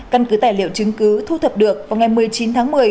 căn cứ tài liệu chứng cứ thu thập được vào ngày một mươi chín tháng một mươi